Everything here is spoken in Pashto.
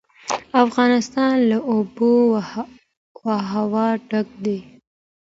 افغانستان له آب وهوا ډک دی.